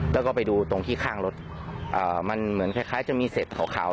แล้วก็ไปดูตรงที่ข้างรถมันเหมือนคล้ายจะมีเศษขาว